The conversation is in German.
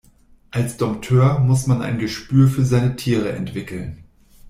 Als Dompteur muss man ein Gespür für seine Tiere entwickeln.